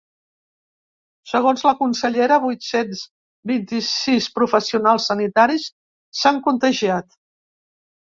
Segons la consellera, vuit-cents vint-i-sis professionals sanitaris s’han contagiat.